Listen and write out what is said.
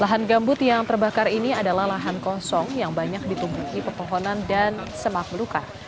lahan gambut yang terbakar ini adalah lahan kosong yang banyak ditumbuhi pepohonan dan semak belukar